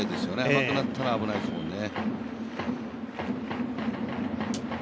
甘くなったら危ないですもんね。